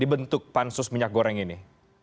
dibentuk pansus minyak goreng ini